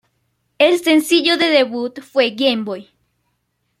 El sencillo de debut fue "GameBoy".